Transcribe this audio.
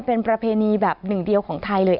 เป็นประเพณีแบบหนึ่งเดียวของไทยเลย